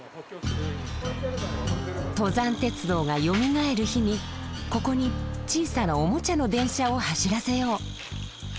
登山鉄道がよみがえる日にここに小さなおもちゃの電車を走らせよう。